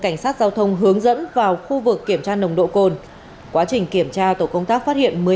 cảnh sát giao thông hướng dẫn vào khu vực kiểm tra nồng độ cồn quá trình kiểm tra tổ công tác phát hiện